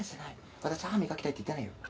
私、歯磨きたいって言ってない。